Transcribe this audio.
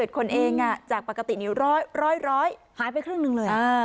คนเองจากปกตินี้๑๐๐หายไปครึ่งหนึ่งเลย